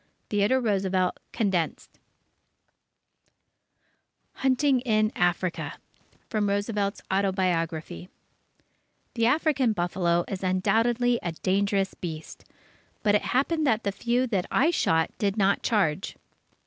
Theodore Roosevelt (Condensed) HUNTING IN AFRICA From Roosevelt's Autobiography The African buffalo is undoubtedly a dangerous beast, but it happened that the few that I shot did not charge.